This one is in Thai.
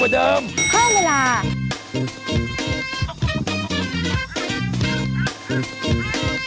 โดรนเป้าบิน